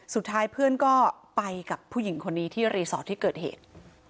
สุดท้ายเพื่อนก็ไปกับผู้หญิงคนนี้ที่รีสอร์ทที่เกิดเหตุ